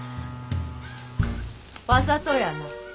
わざとやな。